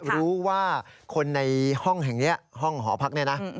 รู้ว่าคนในห้องแห่งนี้ห้องหอพักเนี่ยนะ